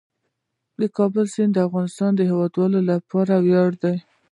د کابل سیند د افغانستان د هیوادوالو لپاره ویاړ دی.